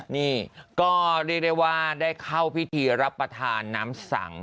นี่ก็เรียกได้ว่าได้เข้าพิธีรับประทานน้ำสัง